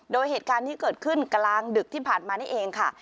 โดยเหตุการณ์ที่เกิดขึ้นกลางดึกที่ผ่านมานี่เองค่ะ